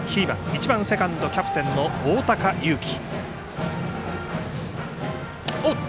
１番セカンドキャプテンの大高有生。